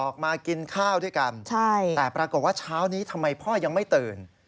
ออกมากินข้าวด้วยกันแต่ปรากฏว่าเช้านี้ทำไมพ่อยังไม่ตื่น